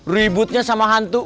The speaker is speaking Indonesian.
ributnya sama hantu